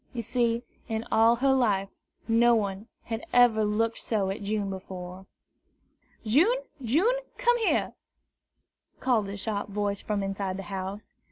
You see, in all her life, no one had ever looked so at June before. "June, June, come here!" called a sharp voice from the house.